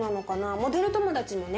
モデル友達もね